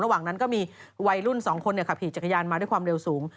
ระหว่างนั้นก็มีวัยรุ่น๒คนขับขี่จักรยานมาด้วยความเร็วสูง